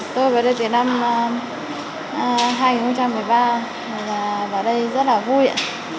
tôi về đây từ năm hai nghìn một mươi ba và vào đây rất là vui ạ